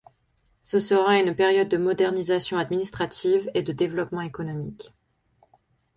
Ce sera une période de modernisation administrative et de développement économique.